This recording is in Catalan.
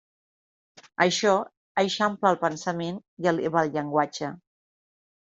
Això eixampla el pensament i eleva el llenguatge.